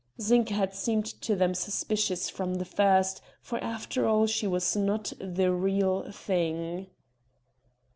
Zinka had seemed to them suspicious from the first, for after all she was not "the real thing."